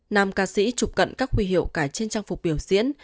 nàm ca sĩ chụp cận các huy hiệu cài trên trang phục biểu diễn